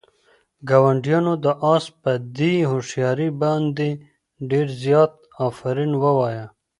ګاونډیانو د آس په دې هوښیارۍ باندې ډېر زیات آفرین ووایه.